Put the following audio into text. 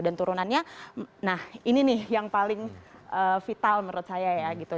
dan turunannya nah ini nih yang paling vital menurut saya ya gitu